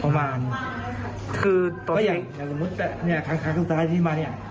ประมาณอย่างสมมุติแบบเนี่ยครั้งสุดท้ายที่มาเนี่ย